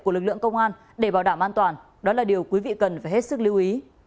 của lực lượng công an để bảo đảm an toàn đó là điều quý vị cần phải hết sức lưu ý